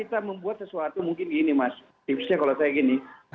kita membuat sesuatu mungkin gini mas tipsnya kalau saya gini